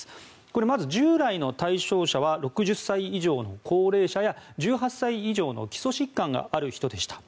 これまず従来の対象者は６０歳以上の高齢者や１８歳以上の基礎疾患がある人でした。